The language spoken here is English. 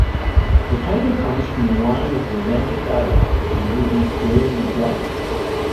The title comes from a line of romantic dialogue in the movie "Jerry Maguire".